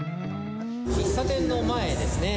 喫茶店の前ですね。